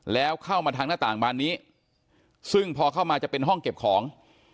แล้วเข้ามาทางหน้าต่างบานนี้ซึ่งพอเข้ามาจะเป็นห้องเก็บของ